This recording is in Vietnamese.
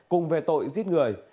cùng về tội giết người